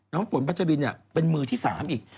น้ำฝนพัชรินเป็นมือที่๓อีก